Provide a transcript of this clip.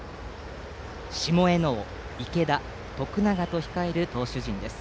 下醉尾、池田、徳永と控える投手陣です。